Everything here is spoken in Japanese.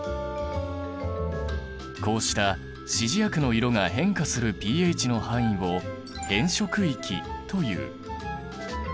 こうした指示薬の色が変化するｐＨの範囲を変色域という。